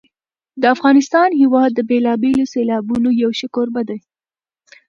د افغانستان هېواد د بېلابېلو سیلابونو یو ښه کوربه دی.